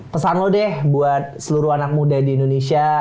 pesan lo deh buat seluruh anak muda di indonesia